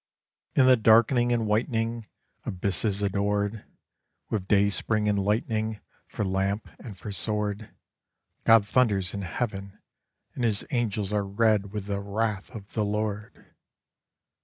In the darkening and whitening Abysses adored, With dayspring and lightning For lamp and for sword, God thunders in heaven, and his angels are red with the wrath of the Lord.